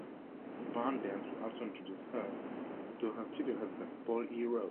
"Barn Dance" also introduced her to her future husband, Paul E. Rose.